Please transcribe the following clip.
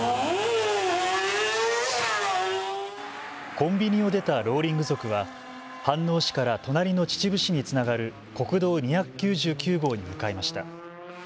コンビニを出たローリング族は飯能市から隣の秩父市につながる国道２９９号に向かいました。